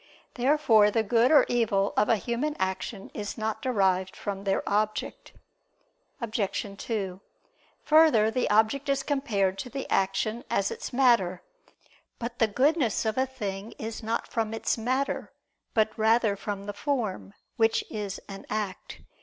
Therefore the good or evil of a human action is not derived from their object. Obj. 2: Further, the object is compared to the action as its matter. But the goodness of a thing is not from its matter, but rather from the form, which is an act.